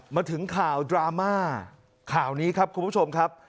มาถึงข่าวดราม่าข่าวนี้ครับคุณผู้ชมครับ